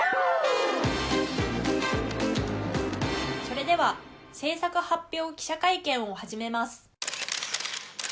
それでは制作発表記者会見を始めます。